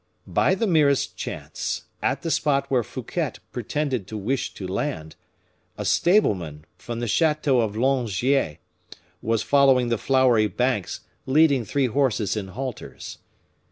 By the merest chance, at the spot where Fouquet pretended to wish to land, a stableman, from the chateau of Langeais, was following the flowery banks leading three horses in halters.